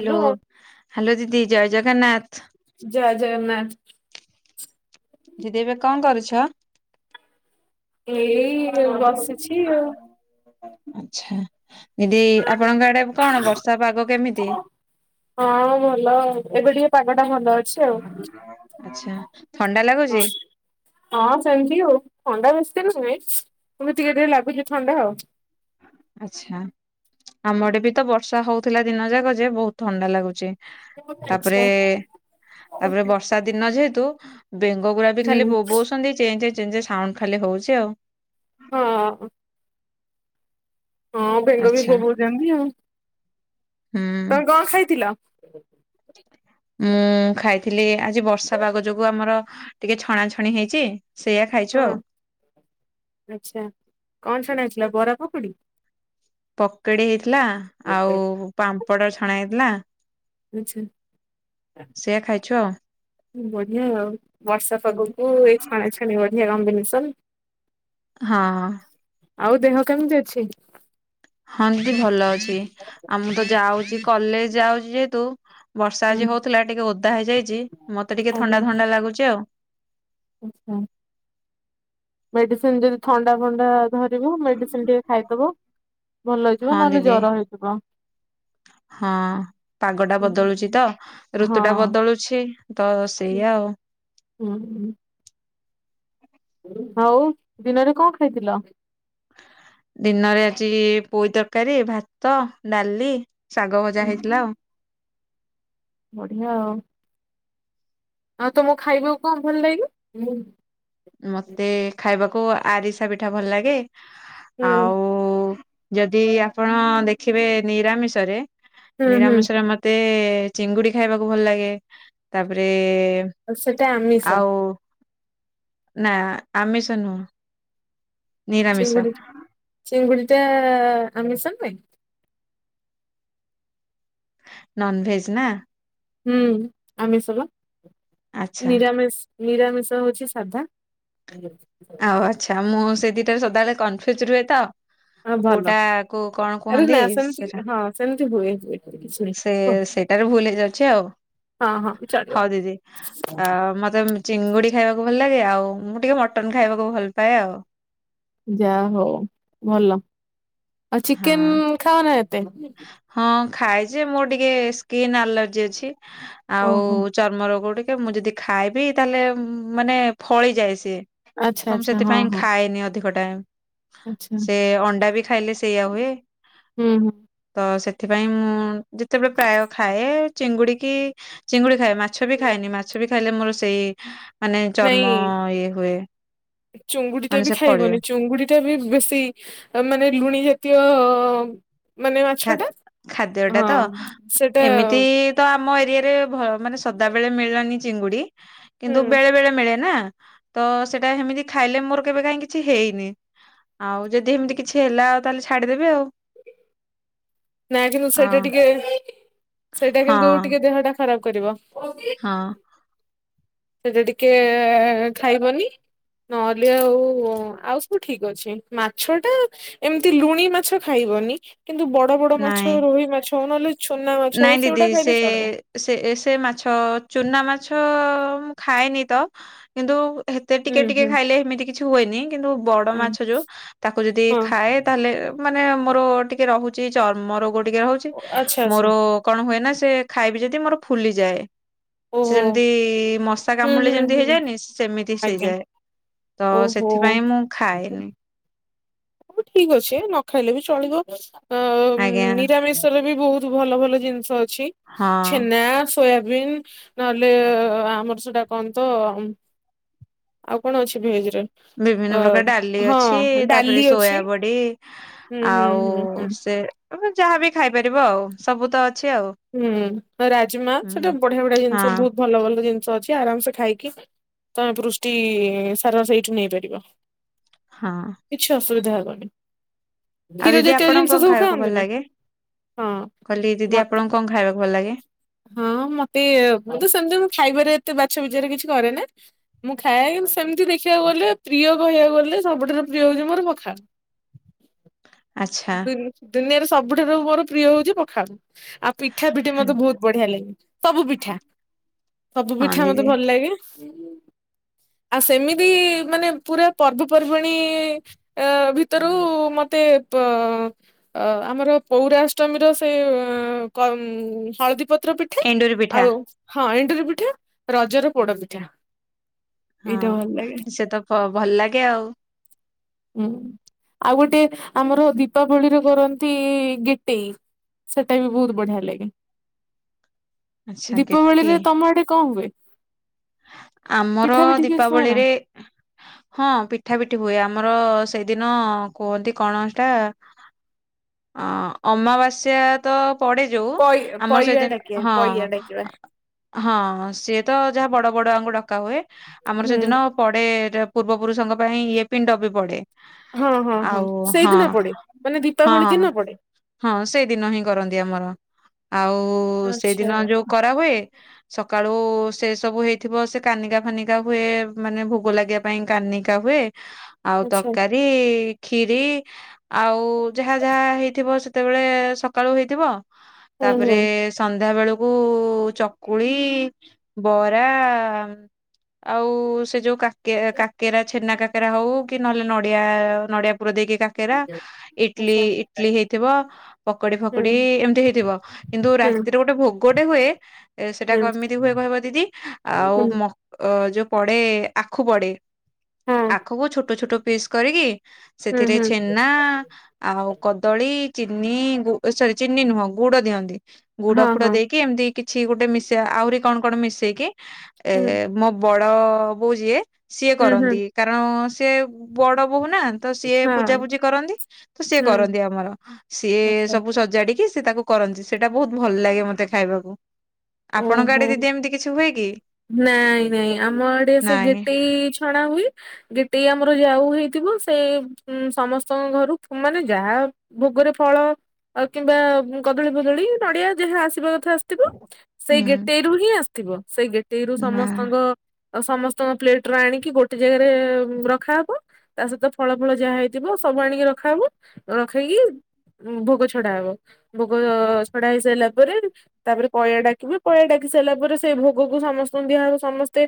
Hello, hello ଦିଦି, ଜୟ ଜଗନ୍ନାଥ। ଜୟ ଜଗନ୍ନାଥ। ଦିଦି ଏବେ କଣ କରୁଛ? ଏଇ ବସିଛି ଆଉ ଆଛା, ଦିଦି ଆପଣଙ୍କ ଆଡେ କଣ ବର୍ଷା ପାଗ କେମିତି ହଁ ଭଲ, ଏବେ ଟିକେ ପାଗଟା ଭଲ ଅଛି ଆଉ ଆଛା ହଁ ହଁ ସେମିତି ଆଉ, ଥଣ୍ଡା ବେଶି [unintelligible] ଟିକେ ଟିକେ ଲାଗୁଛି ଥଣ୍ଡା ଆଉ ଆଛା, ଆମଆଡେ ବି ତ ବର୍ଷା ହଉଥିଲା ଦିନ ଯାକ ଯେ ବହୁତ ଥଣ୍ଡା ଲାଗୁଛି। ତାପରେ, ଆଚ୍ଛା ତାପରେ ହୁଁ ବର୍ଷା ଦିନ ଯେହେତୁ ବେଙ୍ଗ ଗୁୁରା ବି ଖାଲି ବୋଉଛନ୍ତି ଚେଁ ଚେଁ ଚେଁ ଚେଁ ସାଉଣ୍ଡ ଖାଲି ହଉଛି ଆଉ ହଁ ଅଁ ହଁ ବେଙ୍ଗ ବି ଆଚ୍ଛା ଭବଉଛନ୍ତି ଆଉ ହୁଁ ତମେ କଣ ଖାଇଥିଲ [unintelligible] ଉଁ, ଖାଇଥିଲି ଆଜି ବର୍ଷା ପାଗ ଯୋଗୁ ଆମର ଟିକେ ଛଣାଛଣି ହେଇଛି। ସେଇଆ ଖାଇଛୁ ହଁ ଆଉ। ଆଛା, କଣ ଛଣା ହେଇଥିଲା ବରା ପକୁଡି ପକେଡି ହେଇଥିଲା ଆଉ ପାମ୍ପଡ ଛଣା ହେଇଥିଲା। ଆଛା। ସେଆ ଖାଇଛୁ ଆଉ ବଢ଼ିଆ ଆଉ, ବର୍ଷା ପାଗକୁ ଏଇ ଛଣା ଛଣି ବଢ଼ିଆ କମ୍ବିନେସନ୍। ହଁ ଅ ଆଉ ଦେହ କେମିତି ଅଛି? ହଁ ଦିଦି ଭଲ ଅଛି ଆ ମୁଁ ତ ଯାଉଛି କଲେଜ ଯାଉଛି ଯେହେତୁ ବର୍ଷା ହୁଁ ଆଜି ହଉଥିଲା ଟିକେ ଓଦା ହେଇଯାଇଛି ମତେ ଟିକେ ଥଣ୍ଡା ଥଣ୍ଡା ଲାଗୁଛି ଆଉ ଆଛା ମେଡିସିନ ଯଦି ଥଣ୍ଡା ଫଣ୍ଡା ଧରିବ, ମେଡିସିନ ଟିକେ ଖାଇଦବ। ଭଲ ହେଇଯିବ, ନହେଲେ ଜର ହେଇଯିବ। ହ ହଁ ପାଗଟା ବଦଳୁଛି ତ, ଋତୁଟା ହଁ ବଦଳୁଛି, ତ ସେଇଆ ଆଉ। ହୁଁ ହୁଁ। ଆଉ ଦିନରେ କଣ ଖାଇଥିଲ? ଦିନରେ ଆଜି ପୋଇ ତରକାରୀ, ଭାତ, ଡାଲି ଶାଗ ଭଜା ହେଇଥିଲା ଆଉ। ବଢିଆ ଆଉ। ଆଉ ତମକୁ ଖାଇବାକୁ କଣ ଭଲ ଲାଗେ? ମତେ ଖାଇବାକୁ ଆରିସା ପିଠା ଭଲ ଲାଗେ, ଆଉ ହୁଁ ଯଦି ଆପଣ ଦେଖିବେ ନିରାମିଷରେ, ହୁଁ ନିରାମିଷରେ ମତେ ତେ ଚିଙ୍ଗୁଡି ଖାଇବାକୁ ଭଲ ଲାଗେ, ତାପରେ ଆଉ ସେଟା ଆମିଷ। ଆଉ ନା ଆମିଷ ନୁହଁ। ନିରାମିଷ ଚିଙ୍ଗୁଡି, ଚିଙ୍ଗୁଡିଟା ଆମିଷ ନୁହେଁ? ନନଭେଜ୍ ନା? ହୁଁ ଆମିଷ ବା। ଆଚ୍ଛା ନିରାମିଷ ନିରାମିଷ ହଉଛି ସାଧା। ଆଉ ଆଚ୍ଛା। ମୁଁ ସେ ଦିଟାରେ ସଦାବେଳେ କନଫ୍ୟୁଜ୍ ରୁହେ ତ ହଁ ଭଲ କୋଉଟା କୁ କଣ ଆରେ ନା କୁହନ୍ତି, ସେମିତି ସେଇଟା। ହଁ ସେମିତି ହୁଏ ହୁଏ କିଛି ନାହିଁ ସେ କୁହ। ସେଇଟାରେ ଭୁଲ ହେଇଯାଉଛି ଆଉ। ହଁ ହଁ ଚଳିବ। ହଉ ଦିଦି ଆ ମତେ ଚିଙ୍ଗୁଡି ଖାଇବାକୁ ଭଲ ଲାଗେ, ଆଉ ମୁଁ ଟିକେ ମଟନ୍ ଖାଇବାକୁ ଭଲ ପାଏ ଆଉ। ଯାହଉ ଭଲ। ଆଉ ହଁ ଚିକେନ ଖାଅନା ଏତେ? ହଁ ଖାଏ ଯେ, ମୋର ଟିକେ ସ୍କିନ୍ ଆଲର୍ଜି ଅଛି ଆଉ ଓହୋ ଚର୍ମ ରୋଗ ଟିକେ ଏବେ ମୁଁ ଯଦି ଖାଇବି, ତାହେଲେ ମାନେ ଫଳିଯାଏ ସିଏ। ଆଚ୍ଛା ତ ମୁଁ ଆଚ୍ଛା ହଁ ସେଥିପାଇଁ ହଁ ଖାଏନି ଅଧିକ ଟା ଟା। ଆଚ୍ଛା ସେ ଅଣ୍ଡା ବି ଖାଇଲେ ସେଇଆ ହୁଏ। ହୁଁ ହୁଁ। ତ ତ ସେଥିପାଇଁ ମୁଁ ଯେତେବେଳେ ପ୍ରାୟ ଖାଏ, ଚିଙ୍ଗୁଡି କି ଚିଙ୍ଗୁଡି ଖାଏ, ମାଛ ବି ଖାଏନି। ମାଛ ବି ଖାଇଲେ ମୋର ସେଇ, ମାନେ ଚର୍ମ ଇଏ ହୁଏ। ଚୁଙ୍ଗୁଡିଟା ମାନେ ବି ସେ ଫଳିବେ। ଖାଇବନି। ଚୁଙ୍ଗୁଡିଟା ବି ବେଶୀ ମାନେ ଲୁଣି ଜାତି ତୀୟ ଖାଦ୍-ଖାଦ୍ୟଟା ତ, ସେଟା ଏମିତି ତ ଆମ ଏରିଆ ତାପରେ ମାନେ ସଦାବେଳେ ମିଳିଲାନି ଚିଙ୍ଗୁଡି, ହୁଁ କିନ୍ତୁ ବେଳେ ବେଳେ ମିଳେ ନା। ତ ସେଇଟା ହେମିତି ଖାଇଲେ ମୋର କେବେ କାଇଁ କିଛି ହେଇନି। ଆଉ ଯଦି ହେମତି କିଛି ହେଲା, ଆଉ ତାହେଲେ ଛାଡିଦେବେ ଆଉ। ନା କିନ୍ତୁ ଅ ସେଇଟା ଟିକେ, ସେଇଟା ହଁ କିନ୍ତୁ ଟିକେ ଦେହଟା ଖରାପ କରିବ। ହଁ ସେଇଟା ଟିକେ ଖାଇବନି ନହେଲେ ଆଉ ଆଉ ସବୁ ଠିକ ଅଛି। ମାଛଟା ଏମତି ଲୁଣି ମାଛ ଖାଇ ବନି କିନ୍ତୁ ବଡ ବଡ ମାଛ, ନାଇଁ ରୋହି ମାଛ ହଉ ନହେଲେ ଚୁନା ମାଛ ହଉ ନାଇଁ ଦିଦି, ସେଗୁଡା ଖାଇଲେ ଚଳିବ ସେ-ସେ-ସେ ମାଛ ଚୁନା ମାଛ ମାଛ ତ ମୁଁ ଖାଏନି ତ, କିନ୍ତୁ ହେତେ ହୁଁ ଟିକେ ଟିକେ ହୁଁ ଖାଇଲେ ହେମିତି କିଛି ହୁଏନି କିନ୍ତୁ ବଡ ଆଁ, ମାଛ ଯୋଉ, ତାକୁ ଯଦି ହଁ ଖାଏ ତାହେଲେ ମାନେ ମୋର ଟିକେ ରହୁଛି ଚର୍ମରୋଗ ଟିକେ ରହୁଛି, ଆଚ୍ଛା ଆଚ୍ଛା ମୋର କଣ ହୁଏ ନା ସିଏ ଖାଇବି ଯଦି ମୋର ଫୁଲିଯାଏ। ସିଏ ଓହୋ ଯେମତି ମଶା ହୁଁ କାମୁଡ଼ିଲେ ହୁଁ ଯେମତି ହୁଁ ହେଇଯାଏନି, ସେମିତି ଆଜ୍ଞା ସେଇଯାଏ। ତ ଓହୋ ସେଥିପାଇଁ ମୁଁ ଖାଏନି। ହଉ ଠିକ ଅଛି, ନ ଖାଇଲେ ବି ଚଳିବ। ଅ ଆଜ୍ଞା ନିରାମିଷରେ ବି ବହୁତ ଭଲ ଭଲ ଜିନିଷ ଅଛି। ହଁ। ଛେନା ସୋୟାବିନ୍, ନହେଲେ ଆମର ସେଟା କଣ ତ ଆଉ କଣ ଅଛି ଭେଜରେ ଅ ହଁ ଡାଲି ଅଛି। ସୋୟାବଡି ହୁଁ ହୁଁ ହୁଁ ଆଉ ହୁଁ। ସେ ଯାହାବି ଖାଇପାରିବ ଆଉ ସବୁ ତ ଅ ହୁଁ ରାଜମା ସେଟା ହୁଁ ବଢିଆ ବଢିଆ ଜିନିଷ ହଁ ବହୁତ ଭଲ ଭଲ ଜିନିଷ ଅଛି ଆରାମସେ ଖାଇକି ତମେ ପୃଷ୍ଟି ସାରା ସେଇଠୁ ନେଇପାରିବ। ହଁ। କିଛି ଅସୁବିଧା ହବନି। ଆଉ କ୍ଷୀର ଦିଦି ଜାତୀୟ ଆପଣଙ୍କୁ ଜିନିଷ କଣ ସବୁ ଖାଇବାକୁ ଖାଆନ୍ତି ଭଲ ନା? ଲାଗେ? ହଁ କହିଲି ଦିଦି ମତେ ଆପଣଙ୍କୁ କଣ ଖାଇବାକୁ ଭଲ ଲାଗେ? ହଁ ମତେ ମୁଁ ତ ସେମିତି ମୁଁ ଖାଇବାରେ ଏତେ ବାଛ ବିଚାର କିଛି କରେ ନା ମୁଁ ଖାଏ କିନ୍ତୁ ସେମିତି ଦେଖିବାକୁ ଗଲେ ପ୍ରିୟ କହିବାକୁ ଗଲେ ସବୁଠାରୁ ପ୍ରିୟ ହୋଉ ତୁମର ପଖାଳ। [inaudible] ଆଚ୍ଛା ଦୁନିଆରେ ସବୁଠାରୁ ମୋର ପ୍ରିୟ ହଉଛି ପଖାଳ। ଆଉ ପିଠା, ପିଠି ମତେ ବହୁତ ବଢି଼ଆ ଲାଗେ ସବୁ ପିଠା ସବୁ ହଁ ପିଠା ମତେ ଦିଦି ଭଲ ଲାଗେ ହୁଁ। ଆଉ ସେମିତି ମାନେ ପୁରା ପର୍ବପର୍ବାଣୀ ଆଁ ଭିତରୁ ମତେ ମତେ ଅ ଆମର ପୌରାଷ୍ଟମୀର ସେ କମ୍ ହଳଦୀ ପତ୍ର ପିଠା ଏଣ୍ଡୁରି ପିଠା ଆଉ ହଁ ଏଣ୍ଡୂରୀ ପିଠା ରଜର ପୋଡ଼ ପିଠା। ହଁ ଏଇଟା ଭଲ ଲାଗେ ସେ ତ ଭଲ ଲାଗେ ଆଉ। ହୁଁ ଆଉ ଗୋଟେ ଆମର ଦୀପାବଳିରେ କରନ୍ତି ଗେଟେଇ ସେଟା ବି ବହୁତ ବଢି଼ଆ ଲାଗେ। ଆଚ୍ଛା ଗେଟି ଦୀପାବଳିରେ ତମ ଆଡ଼େ କଣ ହୁଏ? ଆମର ପିଠା ପିଠି କିଛି ହୁଏ ନା? ଦୀପାବଳିରେ ହଁ ପିଠା ପିଠି ହୁଏ ଆମର ସେଇଦିନ କୁହନ୍ତି କଣ ସେଟା ଅ ଅମାବାସ୍ୟା ତ ପଡ଼େ ଯୋଉ ପଇ ଆମର ପଇଆ ଡାକିବା ସେଦିନ ପଇଆ ହଁ ଡାକିବା। ହଁ ସିଏ ତ ଯାହା ବଡ଼ ବଡ଼ଆଙ୍କୁ ଡ଼କା ହୁଏ। ଆମର ହୁଁ ସେଦିନ ପଡ଼େ ପୂର୍ବ ପୁରୁଷଙ୍କ ପାଇଁ ଇଏ ପିଣ୍ଡ ବି ପଡ଼େ। ହଁ, ହଁ, ହଁ ସେଇଦିନ ପଡ଼େ ମାନେ ହଁ ଦୀପାବଳି ହଁ ଦିନ ପଡ଼େ। ହଁ ସେଇଦିନ ହିଁ କରନ୍ତି ଆମର। ଆଉ ଆଚ୍ଛା ସେଇଦିନ ଯୋଉ କରା ହୁଏ ସକାଳୁ ସେ ସବୁ ହେଇଥିବ ସେ କାନିକା, ଫାନିକା ହୁଏ ମାନେ ଭୋଗ ଲାଗିବା ପାଇଁ କାନିକା ହୁଏ ଆଉ ଆଚ୍ଛା ତରକାରୀ ଖିରି ଆଉ ଯାହା, ଯାହା ହେଇଥିବ ସେତେବେଳେ ସକାଳୁ ହେଇଥିବ ହୁଁ ତାପରେ ହୁଁ ସନ୍ଧ୍ୟା ବେଳକୁ ଚକୁଳି ବରା ଆଉ ସେ ଯୋଉ କାକେ କାକେରା ଛେନା, କାକେରା ହଉ କି ନହେଲେ ନଡିଆ, ନଡିଆ ପୁର ଦେଇକି କାକେରା, ଆଚ୍ଛା ଇଟିଲି୍, ଇଟିଲି୍ ହେଇଥିବ ପକୋଡି଼, ହୁଁ ଫକୋଡି଼ ଏମିତି ହେଇଥିବ। କିନ୍ତୁ ହୁଁ ରାତିରେ ଗୋଟେ ଭୋଗଟେ ହୁଏ। ସେଟା ହୁଁ କେମିତି ହୁଏ କହିବ ଦିଦି ଆଉ ହୁଁ ମ ଯୋଉ ପଡେ଼ ଆଖୁ ପଡ଼େ। ହଁ ଆଖୁ କୁ ଛୋଟ ଛୋଟ ପିସ୍ କରିକି ହୁଁ ସେଥିରେ ହୁଁ ଛେନା ଆଉ କଦଳୀ ଚିନି ଗୁ ସରି ଚିନି ନୁହଁ ଗୁଡ଼ ଦିଅନ୍ତି ଗୁଡ଼, ହଁ ଫୁଡ ହଁ ଦେଇକି ଏମିତି କିଛି ଗୋଟେ ମିସା ଆହୁରି କଣ କଣ ମିଶେଇକି ଏ ହୁଁ ମୋ ବଡ଼ ବୋଉ ଯିଏ ସିଏ ହୁଁ ହୁଁ କରନ୍ତି। କାରଣ ସିଏ ବଡ଼। ବୋହୂ ନା ତ ସିଏ ହଁ ପୂଜାପୂଜି କରନ୍ତି। ତ ସିଏ ହୁଁ କରନ୍ତି ଆମର ସିଏ ଆଚ୍ଛା ସବୁ ସଜାଡି଼କି ତାକୁ କରନ୍ତି, ସେଇଟା ବହୁତ ଭଲ ଲାଗେ ମତେ ଖାଇବାକୁ ଆପଣଙ୍କ ଆଡେ ଓହୋ ଦିଦି ଏମତି କି ନାଇଁ, ନାଇଁ ଆମ ଆଡ଼େ ସେ ନାଇଁ ଗେଟେଇ ଛଣା ହୁଏ ଗେଟେଇ ଆମର ଯାଉ ହେଇଥିବ ସେ ସମସ୍ତଙ୍କ ଘରୁ ମାନେ ଯାହା ଭୋଗ ଭୋଗରେ ଫଳ କିମ୍ବା କଦଳୀ, ଫଦଳି, ନଡିଆ ଯାହା ଆସିବା କଥା ଆସିଥିବ ସେଇ ହୁଁ ଗେଟେଇରୁ ହିଁ ଆସିଥିବ ସେଇ ଗେଟେଇରୁ ନା ସମସ୍ତଙ୍କ ସମସ୍ତଙ୍କ ପ୍ଲେଟ ର ଆଣିକି ଗୋଟେ ଜାଗାରେ ରଖାହବ ତା ସହିତ ଫଳ ଫଳ ଯାହା ହେଇଥିବ ସବୁ ଆଣିକି ରଖାହବ ରଖେଇକି ଭୋଗ ଛଡା ହବ ଭୋଗ ଛଡା ହେଇ ସାରିଲା ପରେ ତାପରେ ପଇଁଆ ଡ଼ାକି ପଇଁଆ ଡ଼ାକି ସାରିଲା ପରେ ସେଇ ଭୋଗକୁ ସମସ୍ତଙ୍କୁ ଦିଆହବ ସମସ୍ତେ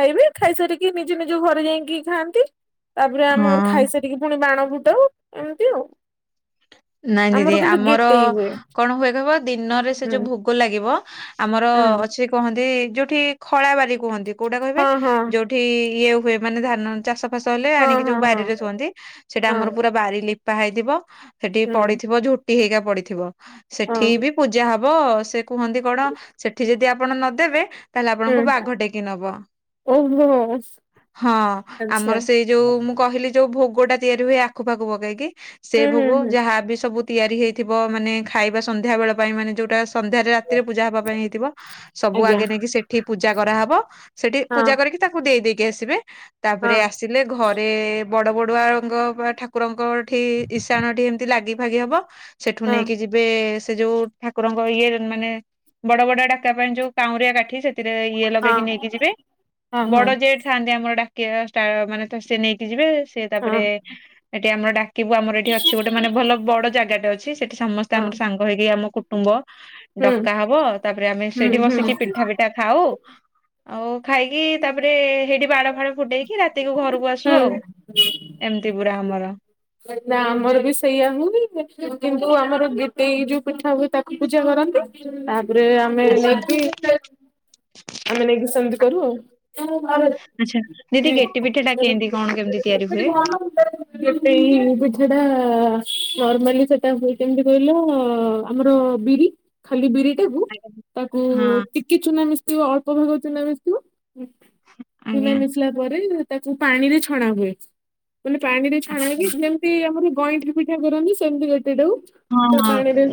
ଖାଇବେ ଖାଇସାରିକି ନିଜ ନିଜ ଘ୍ ଘରେ ଯାଇକି ଖାଆନ୍ତି। ତାପରେ ଆମେ ମୋର ହଁ। ଖାଇସାରିକି ପୁଣି ବାଣ ଫୁଟାଉ ଏମିତି ଆଉ। ନାଇଁ ଦିଦି କିନ୍ତୁ ଆମର ଗେଟେଇ ହୁଏ କଣ ହୁଏ କହିବ ଦିନରେ ସେ ହୁଁ ଯୋଉ ଭୋଗ ଲାଗିବ। ଆମର ହଁ ଅଛି କୁହନ୍ତି ଯୋଉଠି ଖଳା ବାରି କୁହନ୍ତି, କୋଉଟା କହିବେ ହଁ ଯୋଉଠି ଇଏ ହୁଏ ମାନେ ଧାନ ଚାଷ ଫାସ ହେଲେ ହଁ ଆଣିକି ହଁ ଯୋଉ ହଁ ବାରିରେ ହଁ। ଶୁଅନ୍ତି ସେଇଟା ହଁ ଆମର ପୁରା ବାରି ଲିପା ହେଇଥିବ। ସେଠି ହୁଁ ପଡିଥିବ ଝୋଟି ହେଇକ ପଡିଥିବ ସେଠି ହଁ ବି ପୂଜା ହବ। ସେ କୁହନ୍ତି କଣ ସେଠି ଯଦି ଆପଣ ନଦେବେ ତାହେଲେ ଆପଣଙ୍କୁ ହୁଁ ବାଘ ଟେକି ନବ। ଓହୋ ହଁ ଆଚ୍ଛା ଆମର ସେଇ ଯୋଉ ମୁଁ କହିଲି ଯୋଉ ଭୋଗ ଭୋଗଟା ତିଆରି ହୁଏ ଆଖୁ ପାଖୁ ପକେଇକି ସେ ହୁଁ ହୁଁ ଭୋଗ ହୁଁ। ଯାହାବୀ ସବୁ ତିଆରି ହୋଇଇଥିବ ମାନେ ଖାଇବା ସନ୍ଧ୍ୟାବେଳ ପାଇଁ ମାନେ ଯେଉଁଟା ସନ୍ଧ୍ୟାରେ ରାତିରେ ପୂଜା ହବା ପାଇଁ ହେଇଥିବ ସବୁ ଆଜ୍ଞା ଆଗେ ନେଇକି ସେଠି ପୂଜା କରାହେବ। ସେଠି ହଁ ପୂଜା କରିକି ତାକୁ ଦେଇ ଦେଇେଇକି ଆସିବେ ହଁ ତାପରେ ଆସିଲେ ଘରେ ବଡ ବଡୁଆଙ୍କ ବା ଠାକୁରଙ୍କଠି ଇଶାଣ ଠି ଏମିତି ଲାଗି ଫାଗି ହବ। ସେଠୁ ହଁ ନେଇକି ଯିବେ ସେ ଯୋଉ ଠାକୁରଙ୍କ ଇଏରେ ମାନେ‌ ବଡ ବଡ ଡାକା ପାଇଁ ଯୋଉ କାଉଁରିଆ କାଠି ସେ ଥିରେ ଇଏ ହଁ ଲଗେଇକି ନେଇକି ଯିବେ ହଁ ହଁ ବଡ ଜେଟ ଥାନ୍ତି ଆମର ଡା [unintelligible] ମାନେ ସେ ନେଇକି ଯିବେ ସେ ହଁ ତାପରେ ଏଠି ଆମର ଡାକିବୁ ଆମର ଏଠି ଅଛି ଗୋ ଛି ସେଠି ସମସ୍ତେ ହଁ ଆମର ସାଙ୍ଗ ହେଇକି ଆମ କୁଟୁମ୍ବ। ହୁଁ ଡକା ହବ ତାପରେ ଆମେ ହୁଁ ସେଇଠି ହୁଁ ବସିକି ପିଠା ପିଠା ଖାଉ। ଆଉ ଖାଇକି ତାପରେ ସେଠି ବାଡ ଫାଡ ଫୁଟେଇକି ରାତିକୁ ଘରକୁ ଘରକୁ ଆସୁ ହୁଁ ଆଉ ଏମିତି ପୁରା ଆମର। ନା ଆମର ବି ସେଇଆ ହଉନି କିନ୍ତୁ ଆମର ଗୀଟେଇ ଯୋଉ ପିଠା ହୁଏ ତାକୁ ପୂଜା କର ନ୍ତି। ତାପରେ ଆମେ ଆଚ୍ଛା ନେଇକି ଆମେ ନେଇକି ସେମିତି କରୁ ଆଉ। ଆଚ୍ଛା ଦିଦି ଗେଟି ପିଠା ଟା କେମିତି କଣ କେମିତି ତିଆରି ହୁଏ? [unintelligible] ଗେଟେଇ। ପିଠାଟା ନର୍ମାଲି ସେଟା ହୁଏ କେମତି କହିଲ ଆମର ବିରି ଖାଲି ବିରି ଦେବୁ ତାକୁ ଆଜ୍ଞା। ହଁ ଟିକେ ଚୁନା ମିଶଥିବ ଅଳ୍ପ ଭାଗ ଚୁନା ମିଶଥିବ। ଚୁନା ମିଶିଲା ପରେ ତାକୁ ପାଣିରେ ଛଣା ହୁଏ। ମାନେ ପାଣି ରେ ଛଣା ଆଜ୍ଞା। ହେଇକି ଯେମିତି ଆମର ଗଇଁଠି ପିଠା କରନ୍ତନ୍ତି ସେମିତି ଗେ ହଁଁ ହଁ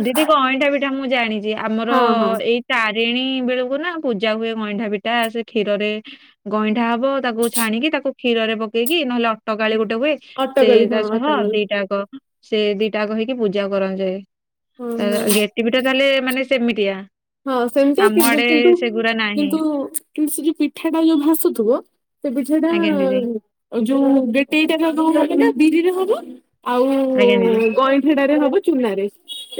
ଦିଦି ଗଇଁଠା ପିଠା ମୁଁ ଜାଣିଛି ଆମର ହଁ ହଁ ଏଇ ତାରିଣୀ ବେଳକୁ ନା ପୂଜା ହୁଏ ଗଇଁଠା ପିଠା ସେ କ୍ଷୀରରେ ଗଇଁଠା ହବ ତାକୁ ଛାଣିକି ତାକୁ କ୍ଷୀରରେ ପକେଇକି କି ନହେଲେ ଅଟକାଳି ଗୋଟେ ହୁଏ ସେ ଅଟକଳି ତା ହଁ ସହ ଅଟକଳି ଦିଟାକ ସେ ଦିଟା କ ହେଇକି ପୂଜା‌ ପୂଜା କରାଜାଏ ହଁ ଆ ହଁ ଗେଟି ପିଠା ତାହେଲେ ମାନେ ସେମିତିଆ। ହଁ ସେମିତି ଆମ କି ଆଡେ କିନ୍ତୁ ସେଗୁରା ନାହିଁ। କିନ୍ତୁ କି ସେ ଯୋଉ ପିଠା ଟା ଯୋଉ ଭାସୁଥିବ‌ ସେ ପିଠା ଟା ଆଜ୍ଞା ଦିଦି ଯୋଉ ଗଟେଇଟା ବିରିରେ ହବ। ଆଉ ଆଜ୍ଞା ଦିଦି ଗଇଁଠାରେ ହବ ଚୁନାରେ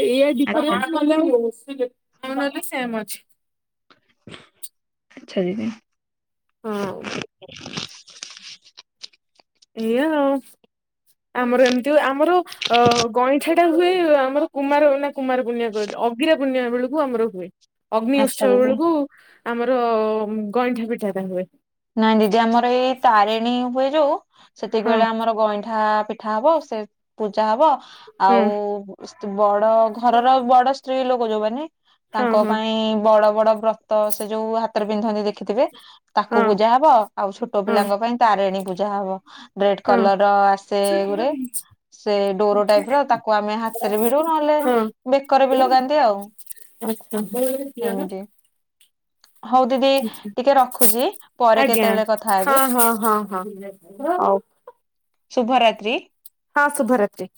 ଏଇଆ ଆଚ୍ଛା ଡିପରସେ ନଳେ ଆଉ ଆଉ ନହେଲେ ସେମ ଅଛି। ଛୁଆଦିନେ। ହଁ। ଏଇଆ ଆଉ, ଆମର ଏମିତି ଆମର ଅ ଗଇଁଠା ସେଟା ହୁଏ ଆମର କୁମାର ନା କୁମାର ପୁର୍ଣିମା କହିଲି ଅଗିରା ପୁର୍ଣିମା ବେଳକୁ ଆମର ହୁଏ। ଅଗ୍ନି ଆଚ୍ଛା ଉତ୍ସବ ଦିଦି। ବେଳକୁ ଆମର ଗଇଁଠା ପିଠାଟା ହୁଏ। ନାଇଁ ଦିଦି ଆମର ଏଇ ତାରିଣୀ ହୁଏ ଯୋଉ ସେତିକି ହଁ ବେଳେ ଆମର ଗଇଁଠା ପିଠା ହବ, ସେ ପୂଜା ହବ ହୁଁ ଆଉ ବଡ ଘରର ବଡ। ସ୍ତ୍ରୀ ଲୋକ ଯୋଉମାନେ ହଁ ତାଙ୍କ ହଁ ପାଇଁ ବଡ ବଡ ବ୍ରତ ସେ ଯୋଉ ହାତରେ ପିନ୍ଧନ୍ତି ଦେଖିଥିବେ। ତାକୁ ହଁ ପୂଜା ହବ ଆଉ ଛୋଟ ପିଲାଙ୍କ ପାଇଁ ତାରିଣୀ ପୂଜା ହବ ରେଡ ହଁ କଲର ର ଆସେ ହଁ ଗୋ। [unintelligible] ସେ ଡୋର ଟାଇପ ର ତାକୁ ଆମେ ହାତରେ ଭିଡୁ ନହେଲେ ବେକରେ ବି ଲଗାନ୍ତି ଆଉ। ଆଛା [inaudible] ଏମିତି ହଉ ଦିଦି ଟିକିଏ ରଖୁଛି। ପରେ ଆଜ୍ଞା କେତେବେଳେ କଥା ହେବି ହଁ ହଁ ହଁ ହଁ ହଉ ଶୁଭରାତ୍ରି। ହଁ ଶୁଭରାତ୍ରୀ।